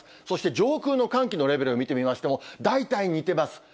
そして上空の寒気のレベルを見てみましても、大体似てます。